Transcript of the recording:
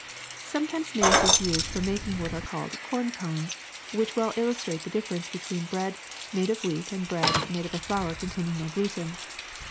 ^^ Sometimes maize is used for making what are called corn pones, which well illustrate the ditference between bread made of wheat and bread made of a flour containing no gluten.